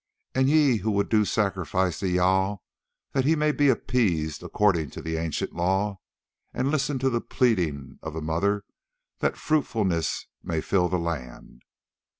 And ye would do sacrifice to Jâl that he may be appeased according to the ancient law, and listen to the pleading of the Mother that fruitfulness may fill the land.